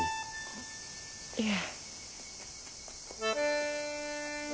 いえ。